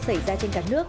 xảy ra trên cả nước